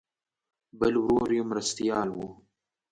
بل ورور یې مرستیال و.